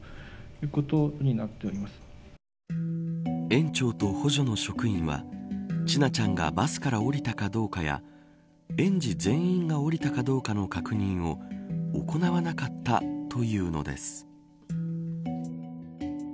園長と補助の職員は千奈ちゃんがバスから降りたかどうかや園児全員が降りたかどうかの確認を行わなかったというのです。